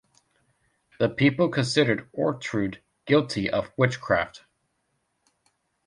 The people consider Ortrud guilty of witchcraft.